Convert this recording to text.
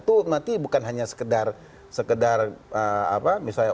itu bukan hanya sekedar misalnya